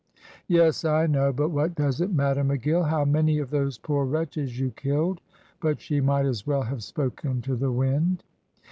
"Yes, I know. But what does it matter, McGill, how many of those poor wretches you killed?" But she might as well have spoken to the wind.